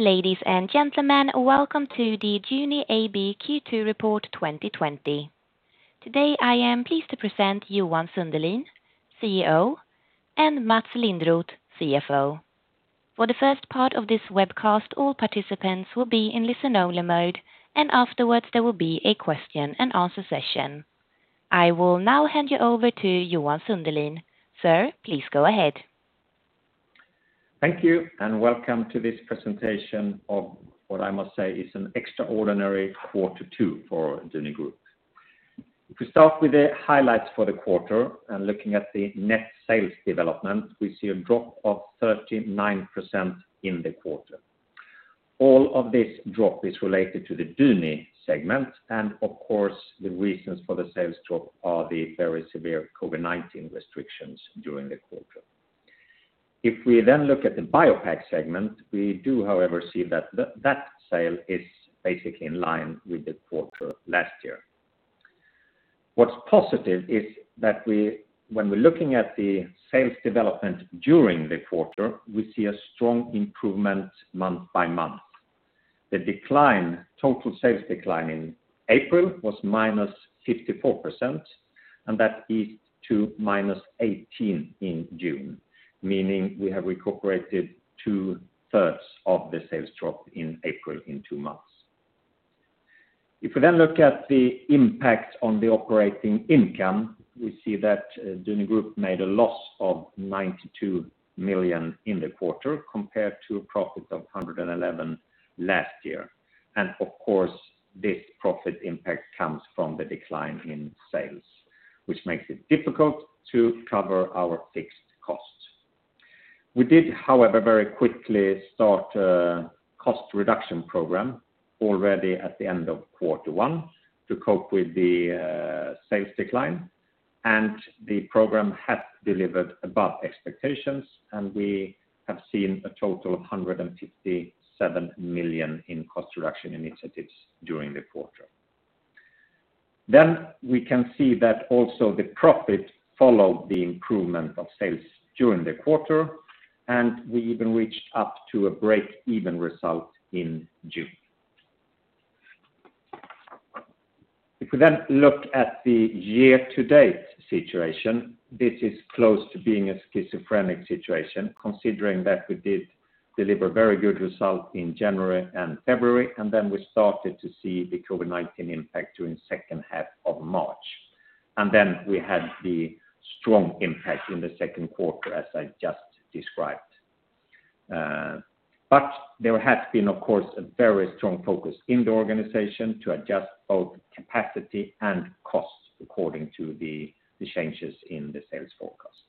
Ladies and gentlemen, welcome to the Duni AB Q2 Report 2020. Today, I am pleased to present Johan Sundelin, CEO, and Mats Lindroth, CFO. For the first part of this webcast, all participants will be in listen-only mode. Afterwards, there will be a question-and-answer session. I will now hand you over to Johan Sundelin. Sir, please go ahead. Thank you, and welcome to this presentation of what I must say is an extraordinary quarter two for Duni Group. If we start with the highlights for the quarter and looking at the net sales development, we see a drop of 39% in the quarter. All of this drop is related to the Duni segment, and of course, the reasons for the sales drop are the very severe COVID-19 restrictions during the quarter. If we then look at the BioPak segment, we do, however, see that sale is basically in line with the quarter last year. What's positive is that when we're looking at the sales development during the quarter, we see a strong improvement month by month. The total sales decline in April was -54%, and that eased to -18% in June, meaning we have recuperated two-thirds of the sales drop in April in two months. We then look at the impact on the operating income, we see that Duni Group made a loss of 92 million in the quarter compared to a profit of 111 last year. Of course, this profit impact comes from the decline in sales, which makes it difficult to cover our fixed costs. We did, however, very quickly start a cost reduction program already at the end of quarter one to cope with the sales decline, and the program has delivered above expectations, and we have seen a total of 157 million in cost reduction initiatives during the quarter. We can see that also the profit followed the improvement of sales during the quarter, and we even reached up to a break-even result in June. If we then look at the year-to-date situation, this is close to being a schizophrenic situation considering that we did deliver very good results in January and February, we started to see the COVID-19 impact during the second half of March. We had the strong impact in the second quarter, as I just described. There has been, of course, a very strong focus in the organization to adjust both capacity and cost according to the changes in the sales forecasts.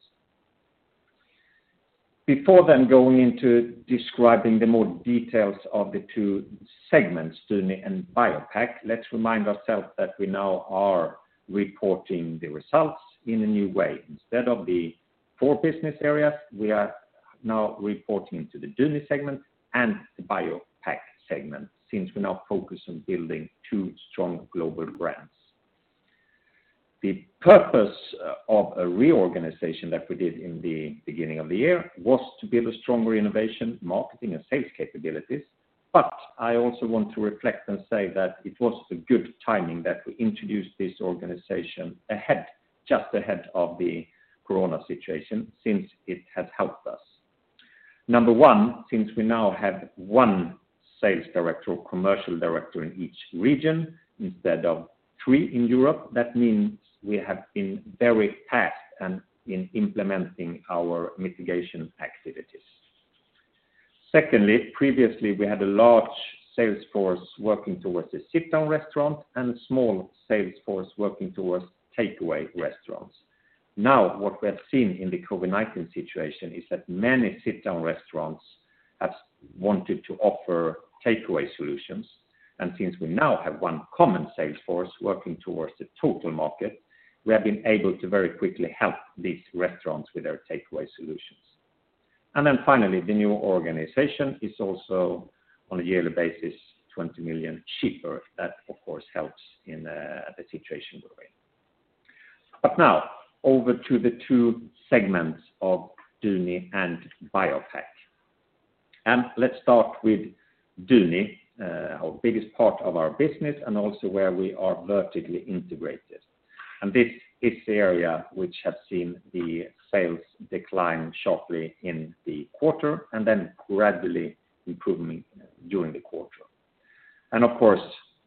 Before then going into describing the more details of the two segments, Duni and BioPak, let's remind ourselves that we now are reporting the results in a new way. Instead of the four business areas, we are now reporting to the Duni segment and the BioPak segment, since we're now focused on building two strong global brands. The purpose of a reorganization that we did in the beginning of the year was to build a stronger innovation, marketing, and sales capabilities. I also want to reflect and say that it was a good timing that we introduced this organization just ahead of the corona situation since it has helped us. Number one, since we now have one sales director or commercial director in each region instead of three in Europe, that means we have been very fast in implementing our mitigation activities. Secondly, previously, we had a large sales force working towards the sit-down restaurant and a small sales force working towards takeaway restaurants. What we have seen in the COVID-19 situation is that many sit-down restaurants have wanted to offer takeaway solutions. Since we now have one common sales force working towards the total market, we have been able to very quickly help these restaurants with their takeaway solutions. The new organization is also on a yearly basis 20 million cheaper. That, of course, helps in the situation we're in. Over to the two segments of Duni and BioPak. Let's start with Duni, our biggest part of our business and also where we are vertically integrated. This is the area which has seen the sales decline sharply in the quarter and then gradually improving during the quarter.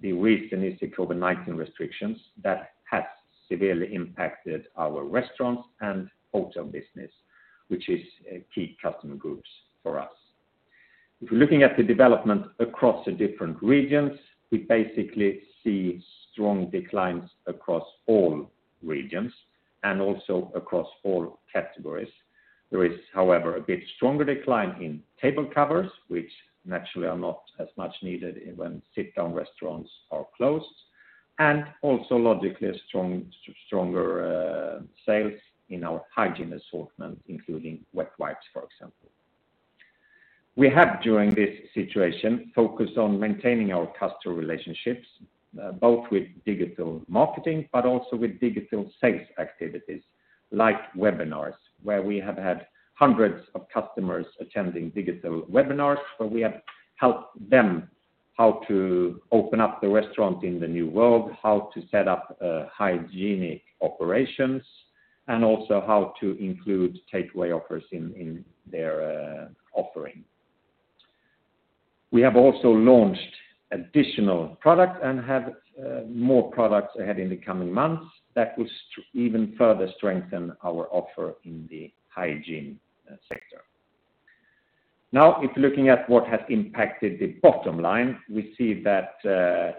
The reason is the COVID-19 restrictions that have severely impacted our restaurants and hotel business, which is key customer groups for us. If we're looking at the development across the different regions, we basically see strong declines across all regions and also across all categories. There is, however, a bit stronger decline in table covers, which naturally are not as much needed when sit-down restaurants are closed, and also logically, stronger sales in our hygiene assortment, including wet wipes, for example. We have, during this situation, focused on maintaining our customer relationships, both with digital marketing, but also with digital sales activities, like webinars, where we have had hundreds of customers attending digital webinars, where we have helped them how to open up the restaurant in the new world, how to set up hygienic operations, and also how to include takeaway offers in their offering. We have also launched additional product and have more products ahead in the coming months that will even further strengthen our offer in the hygiene sector. If looking at what has impacted the bottom line, we see that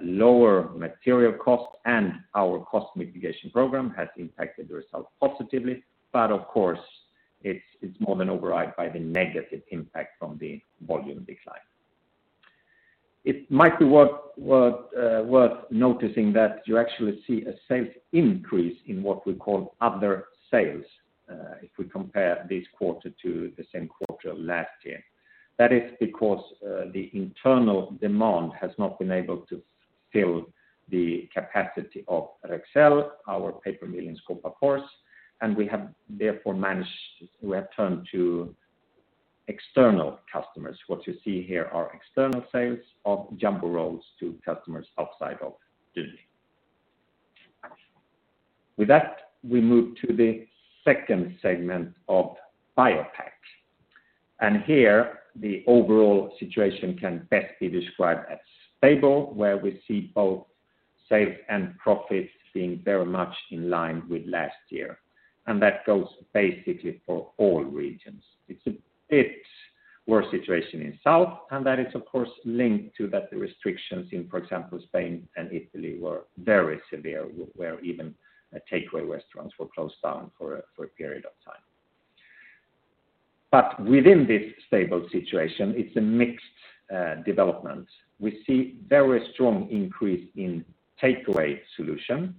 lower material costs and our cost mitigation program has impacted the results positively. Of course, it's more than override by the negative impact from the volume decline. It might be worth noticing that you actually see a sales increase in what we call other sales, if we compare this quarter to the same quarter last year. That is because the internal demand has not been able to fill the capacity of Rexcell, our paper mill in Skoghall, and we have therefore turned to external customers. What you see here are external sales of jumbo rolls to customers outside of Duni. With that, we move to the second segment of BioPak. Here, the overall situation can best be described as stable, where we see both sales and profits being very much in line with last year. That goes basically for all regions. It's a bit worse situation in South, and that is, of course, linked to that the restrictions in, for example, Spain and Italy were very severe, where even takeaway restaurants were closed down for a period of time. Within this stable situation, it's a mixed development. We see very strong increase in takeaway solution,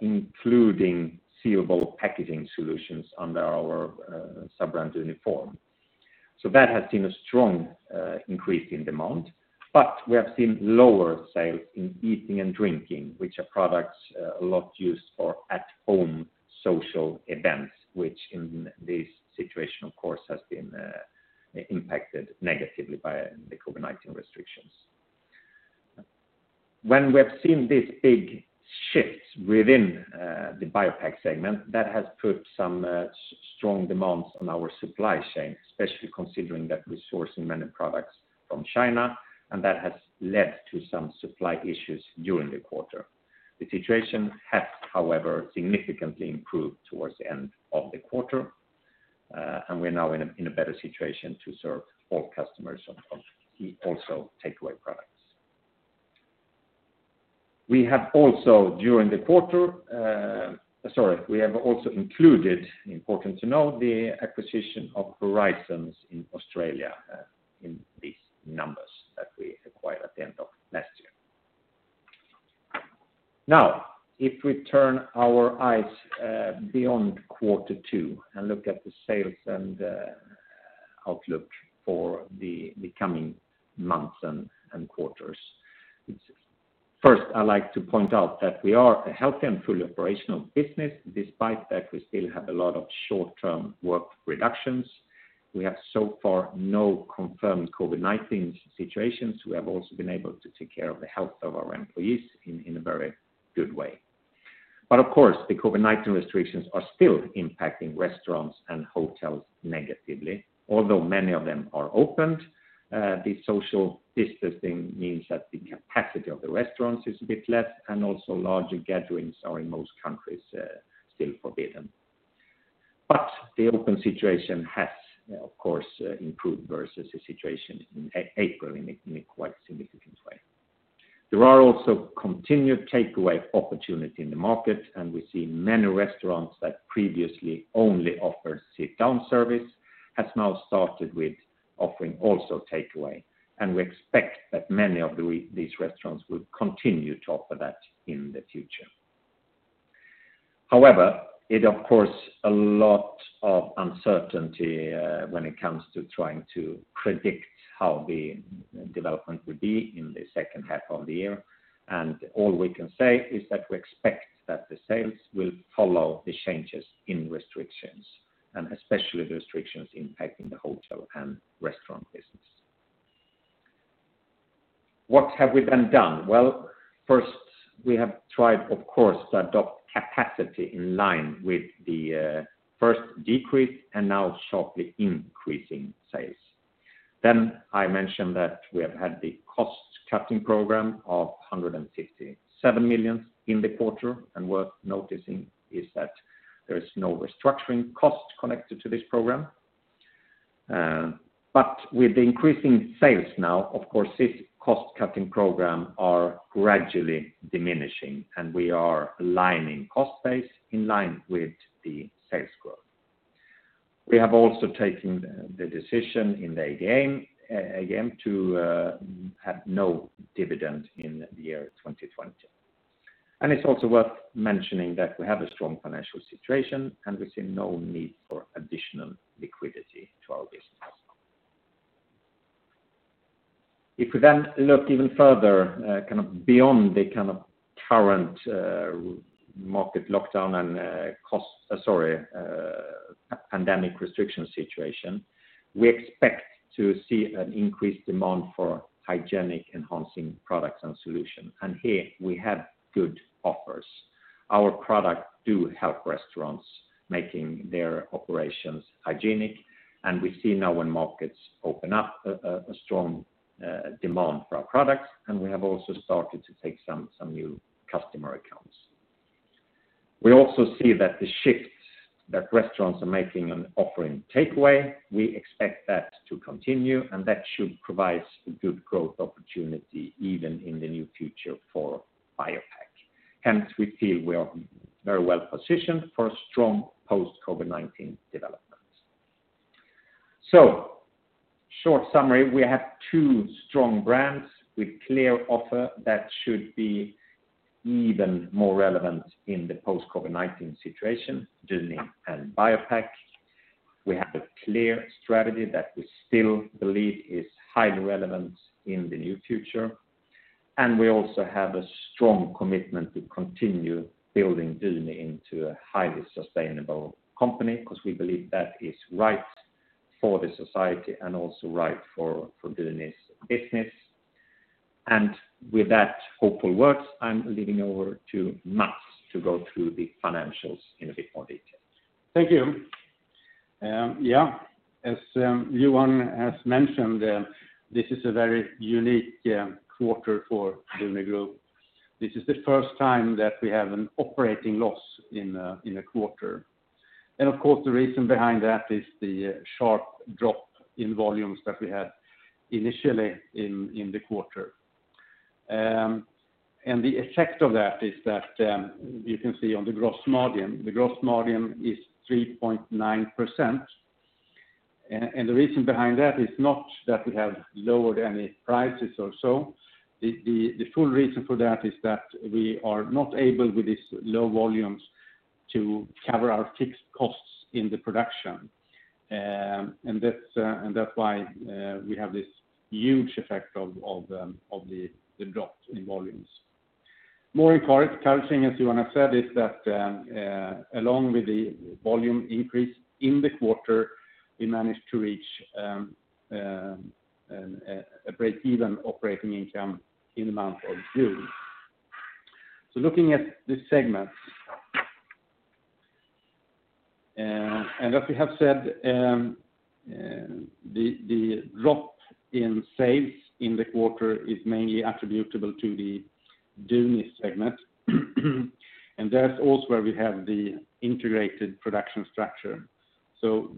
including sealable packaging solutions under our sub-brand Duniform. That has seen a strong increase in demand, but we have seen lower sales in eating and drinking, which are products a lot used for at-home social events, which in this situation, of course, has been impacted negatively by the COVID-19 restrictions. When we have seen this big shift within the BioPak segment, that has put some strong demands on our supply chain, especially considering that we're sourcing many products from China, and that has led to some supply issues during the quarter. The situation has, however, significantly improved towards the end of the quarter, and we're now in a better situation to serve all customers on also takeaway products. We have also included, important to know, the acquisition of Horizons in Australia in these numbers that we acquired at the end of last year. If we turn our eyes beyond quarter two and look at the sales and outlook for the coming months and quarters. I'd like to point out that we are a healthy and fully operational business. Despite that, we still have a lot of short-term work reductions. We have so far no confirmed COVID-19 situations. We have also been able to take care of the health of our employees in a very good way. Of course, the COVID-19 restrictions are still impacting restaurants and hotels negatively, although many of them are opened. The social distancing means that the capacity of the restaurants is a bit less, and also larger gatherings are in most countries still forbidden. The open situation has, of course, improved versus the situation in April in a quite significant way. There are also continued takeaway opportunity in the market, and we see many restaurants that previously only offer sit-down service has now started with offering also takeaway. We expect that many of these restaurants will continue to offer that in the future. However, it of course, a lot of uncertainty when it comes to trying to predict how the development will be in the second half of the year. All we can say is that we expect that the sales will follow the changes in restrictions, and especially the restrictions impacting the hotel and restaurant business. What have we then done? Well, first, we have tried, of course, to adopt capacity in line with the first decrease and now sharply increasing sales. I mentioned that we have had the cost-cutting program of 167 million in the quarter, and worth noticing is that there is no restructuring cost connected to this program. With increasing sales now, of course, this cost-cutting program are gradually diminishing, and we are aligning cost base in line with the sales growth. We have also taken the decision in the AGM to have no dividend in the year 2020. It's also worth mentioning that we have a strong financial situation, and we see no need for additional liquidity to our business. If we then look even further beyond the current market lockdown and pandemic restriction situation, we expect to see an increased demand for hygienic enhancing products and solutions. Here we have good offers. Our products do help restaurants making their operations hygienic, and we see now when markets open up, a strong demand for our products, and we have also started to take some new customer accounts. We also see that the shifts that restaurants are making on offering takeaway, we expect that to continue, and that should provide a good growth opportunity even in the new future for BioPak. Hence, we feel we are very well positioned for a strong post-COVID-19 development. Short summary, we have two strong brands with clear offer that should be even more relevant in the post-COVID-19 situation, Duni and BioPak. We have a clear strategy that we still believe is highly relevant in the new future, and we also have a strong commitment to continue building Duni into a highly sustainable company because we believe that is right for the society and also right for Duni's business. With that hopeful words, I'm leaving over to Mats to go through the financials in a bit more detail. Thank you. Yeah, as Johan has mentioned, this is a very unique quarter for Duni Group. This is the first time that we have an operating loss in a quarter. Of course, the reason behind that is the sharp drop in volumes that we had initially in the quarter. The effect of that is that you can see on the gross margin, the gross margin is 3.9%. The reason behind that is not that we have lowered any prices or so. The full reason for that is that we are not able with these low volumes to cover our fixed costs in the production. That's why we have this huge effect of the drop in volumes. More encouraging, as Johan said, is that along with the volume increase in the quarter, we managed to reach a break-even operating income in the month of June. Looking at this segment. As we have said, the drop in sales in the quarter is mainly attributable to the Duni segment, and that's also where we have the integrated production structure.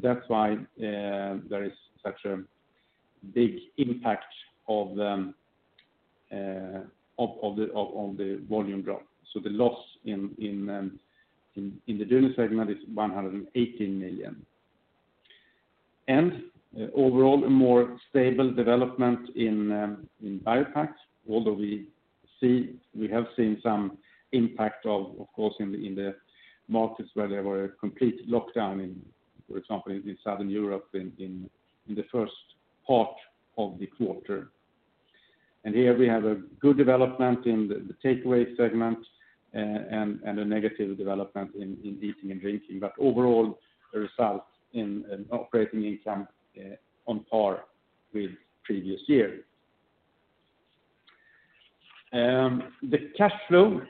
That's why there is such a big impact of the volume drop. The loss in the Duni segment is 118 million. Overall, a more stable development in BioPak, although we have seen some impact of course, in the markets where there were a complete lockdown, for example, in Southern Europe in the first part of the quarter. Here we have a good development in the takeaway segment and a negative development in eating and drinking. Overall, the results in operating income on par with previous years. The cash flow.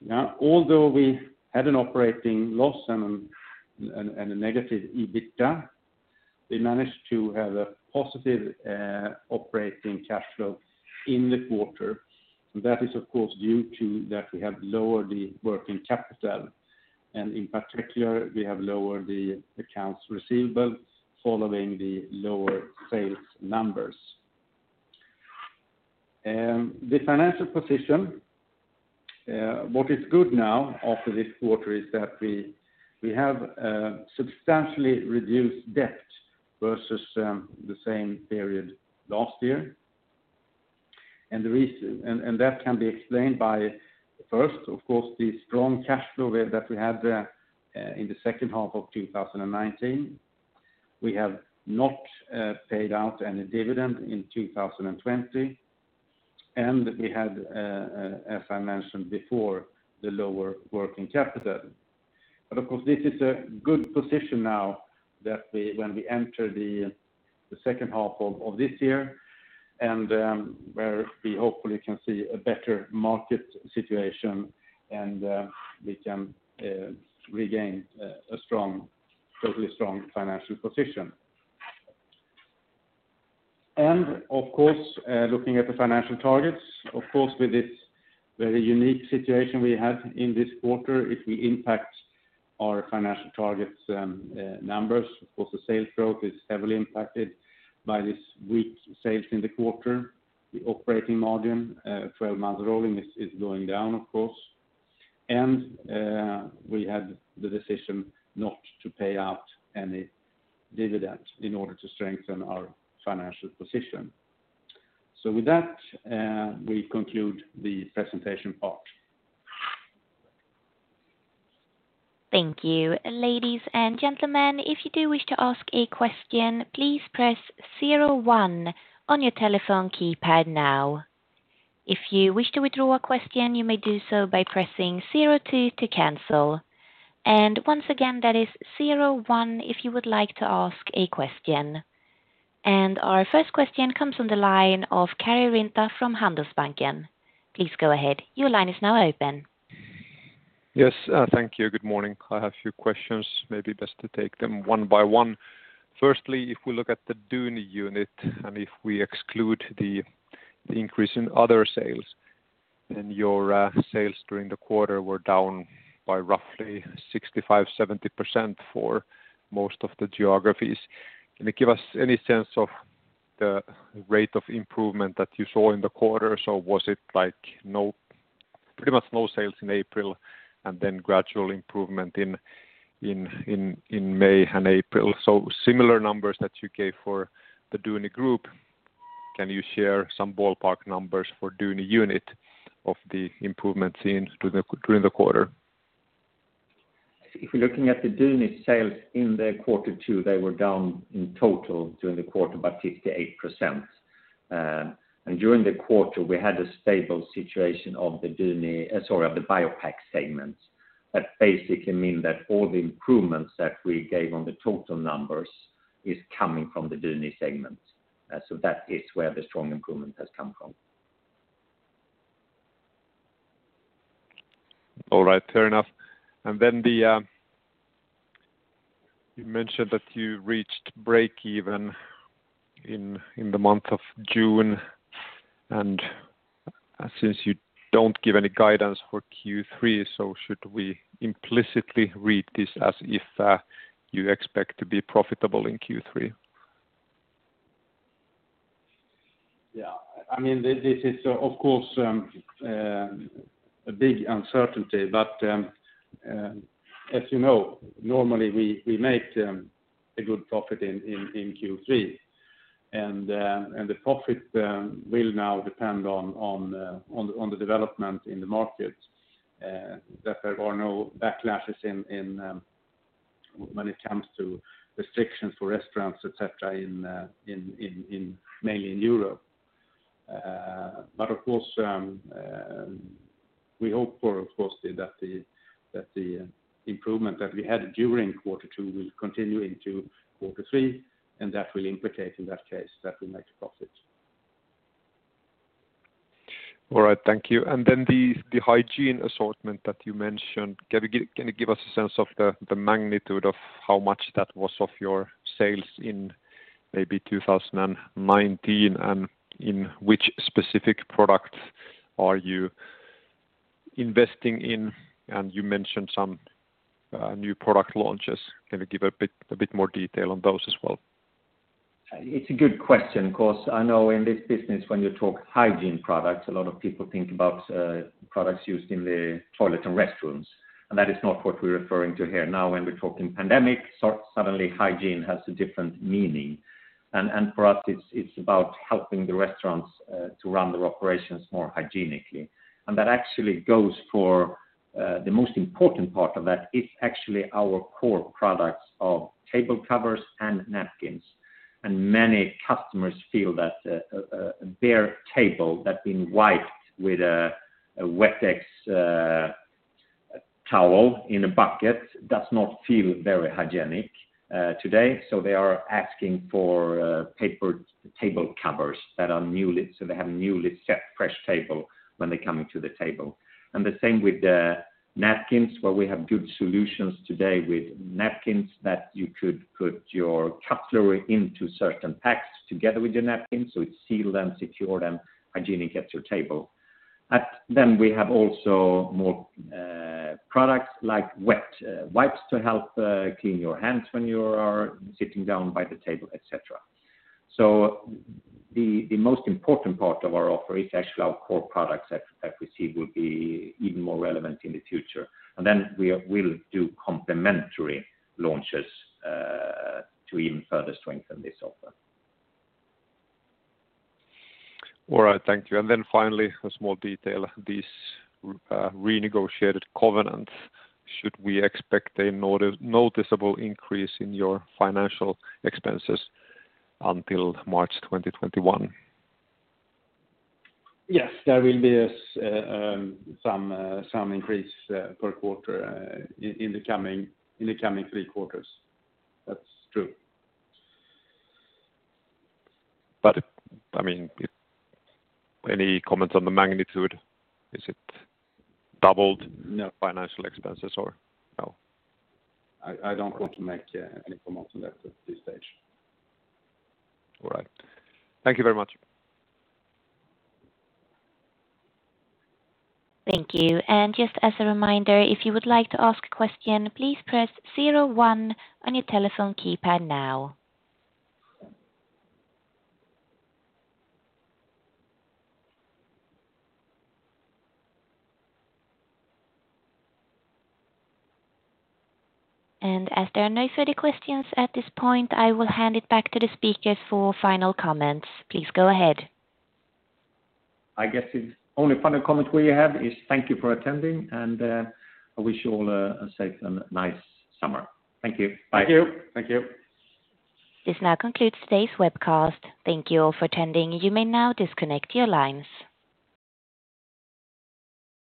Now, although we had an operating loss and a negative EBITDA, we managed to have a positive operating cash flow in the quarter. That is, of course, due to that we have lowered the working capital and in particular, we have lowered the accounts receivable following the lower sales numbers. The financial position. What is good now after this quarter is that we have substantially reduced debt versus the same period last year. That can be explained by first, of course, the strong cash flow that we had in the second half of 2019. We have not paid out any dividend in 2020, and we had, as I mentioned before, the lower working capital. This is a good position now when we enter the second half of this year and where we hopefully can see a better market situation and we can regain a totally strong financial position. Looking at the financial targets, of course, with this very unique situation we had in this quarter, it will impact our financial targets numbers. Of course, the sales growth is heavily impacted by this weak sales in the quarter. The operating margin, 12 months rolling, is going down, of course. We had the decision not to pay out any dividend in order to strengthen our financial position. With that, we conclude the presentation part. Thank you. Ladies and gentlemen, if you do wish to ask a question, please press zero one on your telephone keypad now. If you wish to withdraw a question, you may do so by pressing zero two to cancel. Once again, that is zero one if you would like to ask a question. Our first question comes on the line of Karri Rinta from Handelsbanken. Please go ahead. Your line is now open. Yes. Thank you. Good morning. I have a few questions. Maybe best to take them one by one. Firstly, if we look at the Duni unit, and if we exclude the increase in other sales, then your sales during the quarter were down by roughly 65%, 70% for most of the geographies. Can you give us any sense of the rate of improvement that you saw in the quarter? Was it pretty much no sales in April, and then gradual improvement in May and April? Similar numbers that you gave for the Duni Group. Can you share some ballpark numbers for Duni unit of the improvements during the quarter? If we're looking at the Duni sales in the quarter two, they were down in total during the quarter by 58%. During the quarter, we had a stable situation of the BioPak segments. That basically mean that all the improvements that we gave on the total numbers is coming from the Duni segment. That is where the strong improvement has come from. All right. Fair enough. Then you mentioned that you reached breakeven in the month of June, and since you don't give any guidance for Q3, so should we implicitly read this as if you expect to be profitable in Q3? Yeah. This is, of course, a big uncertainty, but as you know, normally, we make a good profit in Q3. The profit will now depend on the development in the market, that there are no backlashes when it comes to restrictions for restaurants, et cetera, mainly in Europe. Of course, we hope that the improvement that we had during quarter two will continue into quarter three, and that will implicate, in that case, that we make a profit. All right. Thank you. The hygiene assortment that you mentioned, can you give us a sense of the magnitude of how much that was of your sales in maybe 2019, and in which specific product are you investing in? You mentioned some new product launches. Can you give a bit more detail on those as well? It's a good question because I know in this business when you talk hygiene products, a lot of people think about products used in the toilet and restrooms, and that is not what we're referring to here. When we're talking pandemic, suddenly hygiene has a different meaning. For us, it's about helping the restaurants to run their operations more hygienically. The most important part of that is actually our core products of table covers and napkins. Many customers feel that a bare table that's been wiped with a Wettex towel in a bucket does not feel very hygienic today. They are asking for paper table covers so they have a newly set fresh table when they come to the table. The same with napkins, where we have good solutions today with napkins that you could put your cutlery into certain packs together with your napkins so it's sealed and secure and hygienic at your table. We have also more products like wet wipes to help clean your hands when you are sitting down by the table, et cetera. The most important part of our offer is actually our core products that we see will be even more relevant in the future. We will do complementary launches to even further strengthen this offer. All right. Thank you. Finally, a small detail. These renegotiated covenants, should we expect a noticeable increase in your financial expenses until March 2021? There will be some increase per quarter in the coming three quarters. That's true. Any comments on the magnitude? Is it doubled? No financial expenses or no? I don't want to make any comment on that at this stage. All right. Thank you very much. Thank you. Just as a reminder, if you would like to ask a question, please press zero one on your telephone keypad now. As there are no further questions at this point, I will hand it back to the speakers for final comments. Please go ahead. I guess the only final comment we have is thank you for attending. I wish you all a safe and nice summer. Thank you. Bye. Thank you. Thank you This now concludes today's webcast. Thank you all for attending. You may now disconnect your lines.